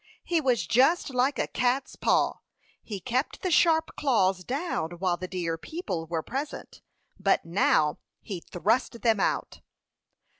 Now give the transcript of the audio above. He was just like a cat's paw, he kept the sharp claws down while the dear people were present; but now he thrust them out.